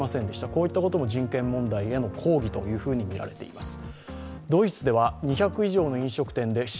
こういったことも人権問題への抗議とみられています。